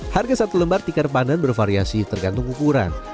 harga satu lembar tikar pandan bervariasi tergantung ukuran